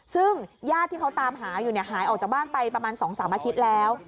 ซึ่งญาติที่เขาตามหาอยู่หายออกจากบ้านไปประมาณ๒๓อาทิตย์แล้ว